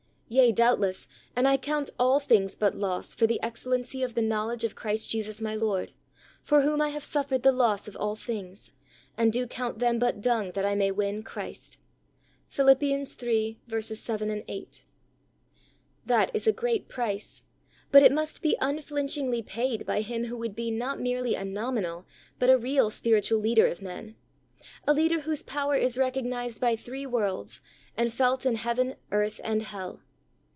Yea^ doubtless, and I count all things but loss for the excellency of the knowledge of Christ Jesus my Lord, for whom I have suffered the loss of all things, and do count them but dung that I may win Christ. (Phil. 3: 7, 8.) That is a great price, but it must be un flinchingly paid by him who would be not merely a nominal, but a real spiritual leader of men — a leader whose power is recognized by three worlds and felt in heaven, earth and hell.